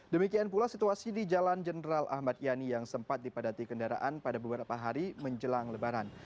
demikian pula situasi di jalan jenderal ahmad yani yang sempat dipadati kendaraan pada beberapa hari menjelang lebaran